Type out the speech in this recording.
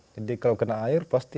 jadi kalau kena air pasti